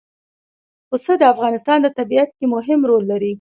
پسه د افغانستان په طبیعت کې مهم رول لري.